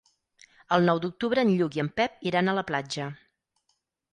El nou d'octubre en Lluc i en Pep iran a la platja.